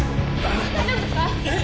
大丈夫ですか⁉えっ！